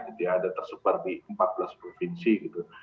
jadi ada tersebut di empat belas provinsi gitu